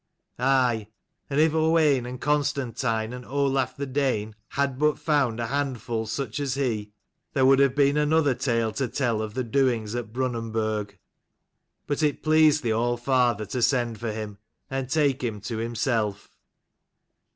Aye, and if Owain and Constantine and Olaf the Dane had but found a handful such as he, there would have been another tale to tell of the doings at Brunanburg. But it pleased the Allfather to send for him, and take him to himself.